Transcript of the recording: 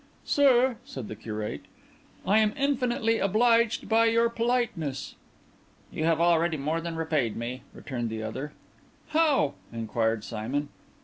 "Sir," said the Curate, "I am infinitely obliged by your politeness." "You have already more than repaid me," returned the other. "How?" inquired Simon.